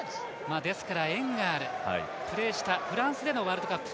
ですから、縁があるプレーしたフランスでのワールドカップ。